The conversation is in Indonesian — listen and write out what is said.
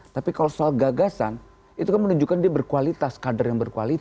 tapi kalau soal gagasan itu kan menunjukkan dia berkualitas kader yang berkualitas